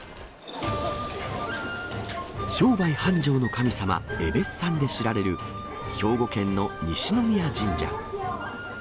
商売繁盛の神様、えべっさんで知られる兵庫県の西宮神社。